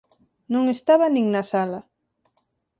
Non estaba nin na sala.